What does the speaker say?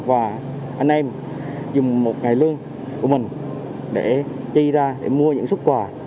và anh em dùng một ngày lương của mình để chi ra để mua những xuất quà